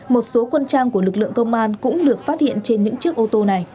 một số quân trang của lực lượng công an cũng được phát hiện trên những chiếc ô tô này